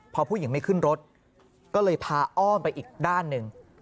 พอผู้หญิงไม่ขึ้นรถก็เลยพาอ้อมไปอีกด้านหนึ่ง